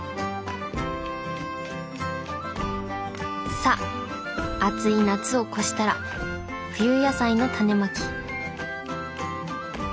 さあ暑い夏を越したら冬野菜のタネまき。